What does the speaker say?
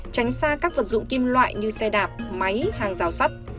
tránh xa các vật dụng kim loại như xe đạp máy hàng rào sắt